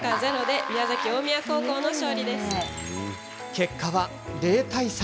結果は０対３。